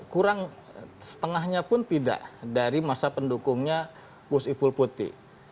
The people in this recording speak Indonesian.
kurang setengahnya pun tidak dari masa pendukungnya gus ipul putih